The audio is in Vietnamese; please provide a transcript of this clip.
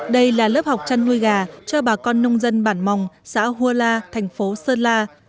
đây là lớp học chăn nuôi gà cho bà con nông dân bản mòng xã huala thành phố sơn la